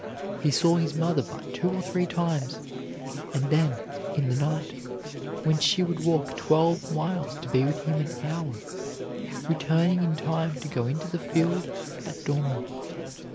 He saw his mother but two or three times, and then in the night, when she would walk twelve miles to be with him an hour, returning in time to go into the field at dawn.